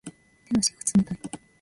手足が冷たい